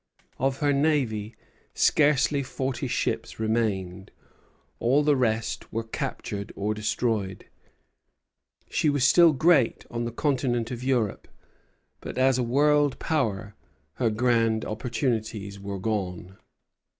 Of her navy scarcely forty ships remained; all the rest were captured or destroyed. She was still great on the continent of Europe, but as a world power her grand opportunities were gone.